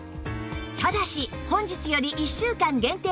ただし本日より１週間限定の特別価格